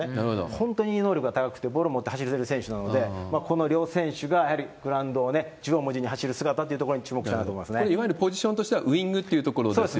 本当に能力が高くて、ボール持って走りきれる選手なので、この両選手がやはりグラウンドを縦横無尽に走る姿っていうのにね、これ、いわゆるぼじしょんとしてはウイングというところですね。